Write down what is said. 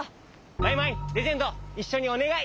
マイマイレジェンドいっしょにおねがい！